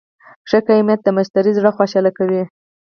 ښه قیمت د مشتری زړه خوشحاله کوي.